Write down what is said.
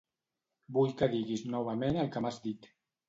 Vull que diguis novament el que m'has dit.